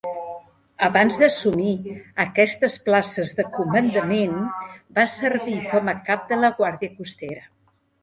Abans d'assumir aquestes places de comandament, va servir com a cap de la Guàrdia Costera.